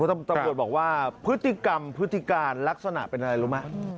ตำรวจบอกว่าพฤติกรรมพฤติการลักษณะเป็นอะไรรู้ไหม